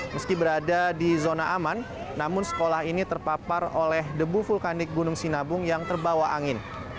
meski berada di zona aman namun sekolah ini terpapar oleh debu vulkanik gunung sinabung yang terbawa angin